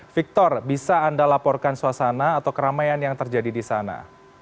victor bisa anda laporkan suasana atau keramaian yang terjadi di sana